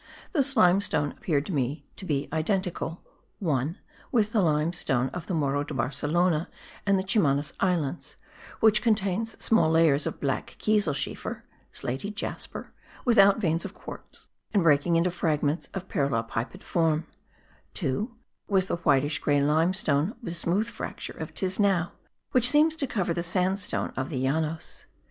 This limestone appeared to me identical (1) with the limestone of the Morro de Barcelona and the Chimanas Islands, which contains small layers of black kieselschiefer (slaty jasper) without veins of quartz, and breaking into fragments of parallelopiped form; (2) with the whitish grey limestone with smooth fracture of Tisnao, which seems to cover the sandstone of the Llanos.